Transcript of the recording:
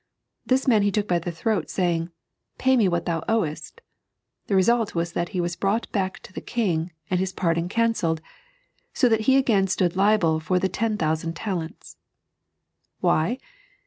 This man he took by the throne, saying :" Pay me what thou owest." The result was that he was brought back to the king, and his pardon cancelled, so that he again stood liable for the ten thousand talents. Why